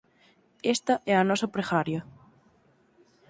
Esta é a nosa pregaria.